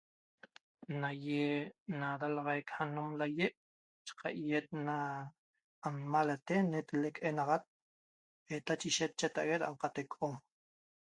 nagui na dalaxaic anom lai' nachi qaiot ana imalate huetalec ca ad'enaxat nachi ishet da cheta'ague anqatec aca om